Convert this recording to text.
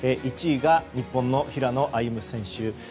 １位が日本の平野歩夢選手。